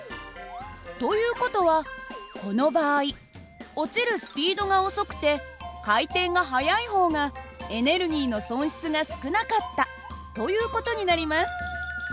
という事はこの場合落ちるスピードが遅くて回転が速い方がエネルギーの損失が少なかったという事になります。